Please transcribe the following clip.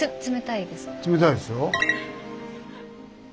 冷たいですよ。